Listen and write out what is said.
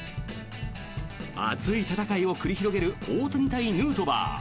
熱い戦いを繰り広げる大谷対ヌートバー。